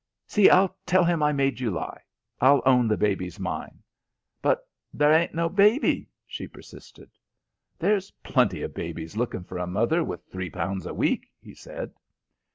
See, I'll tell him I made you lie. I'll own the baby's mine." "But there ain't no baby," she persisted. "There's plenty of babies looking for a mother with three pounds a week," he said.